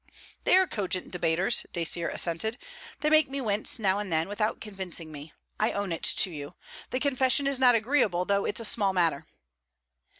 'They are cogent debaters,' Dacier assented. 'They make me wince now and then, without convincing me: I own it to you. The confession is not agreeable, though it's a small matter.'